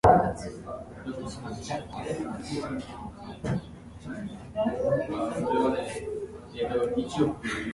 "Society" plays as a massively multiplayer online real-time strategy.